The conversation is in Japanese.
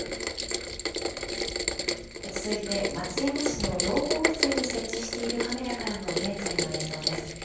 続いて、松山市の道後温泉に設置しているカメラからの現在の映像です。